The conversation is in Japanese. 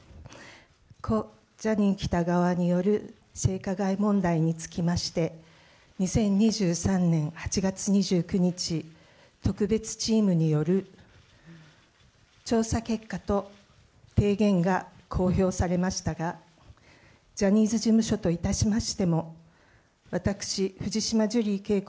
故・ジャニー喜多川による性加害問題につきまして、２０２３年８月２９日、特別チームによる調査結果と提言が公表されましたが、ジャニーズ事務所といたしましても、私、藤島ジュリー景子